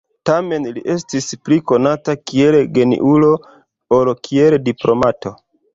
Tamen li estis pli konata kiel geniulo ol kiel diplomato.